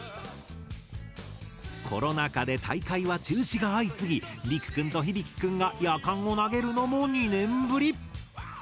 コロナ禍で大会は中止が相次ぎりくくんとひびきくんがヤカンを投げるのも２年ぶり。